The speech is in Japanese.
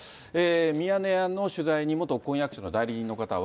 ミヤネ屋の取材に元婚約者の代理人の方は。